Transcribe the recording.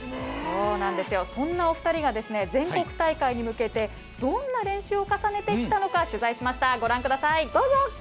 そんなお二人が全国大会に向けてどんな練習を重ねてきたのか取材しました。